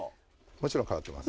もちろん変わってます。